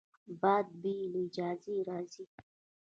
باد بې له اجازې راځي